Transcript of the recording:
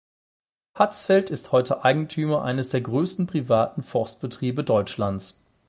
Hatzfeldt ist heute Eigentümer eines der größten privaten Forstbetriebe Deutschlands.